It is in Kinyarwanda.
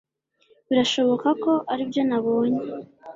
birashoboka ko aribyo nabonye